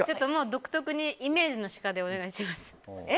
独特に、イメージのシカでお願いします。